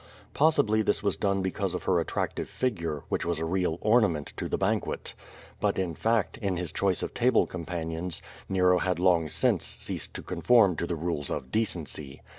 Possibly this was done because of her attractive figure, which was a real ornament to the ban 0170 VADtS. 49 quet. But, in fact, in his choice of table companions, Nero had long since ceased to conform to the rules of decency.